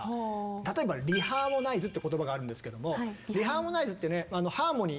例えばリハーモナイズって言葉があるんですけどもリハーモナイズってねハーモニー